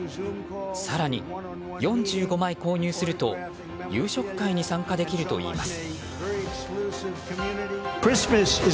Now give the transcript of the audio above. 更に、４５枚購入すると夕食会に参加できるといいます。